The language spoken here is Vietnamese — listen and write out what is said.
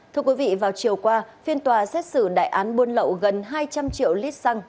thưa quý vị vào chiều qua phiên tòa xét xử đại án buôn lậu gần hai trăm linh triệu lít xăng